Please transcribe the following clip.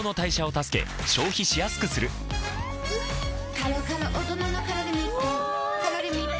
カロカロおとなのカロリミットカロリミット